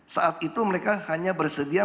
saat itu mereka hanya bersedia